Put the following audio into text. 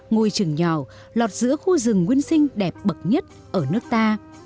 ngôi trường nhỏ lọt giữa khu rừng nguyên sinh đẹp bậc nhất ở nước ta